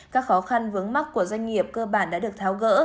các khó khăn vướng mắt của doanh nghiệp cơ bản đã được tháo gỡ